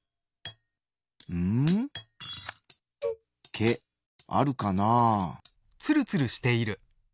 毛あるかな？